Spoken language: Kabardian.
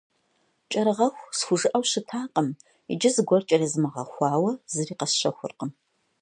«Кӏэрыгъэху» схужыӏэу щытакъым, иджы зыгуэр кӏэрезмыгъэгъэхуауэ зыри къэсщэхуркъым.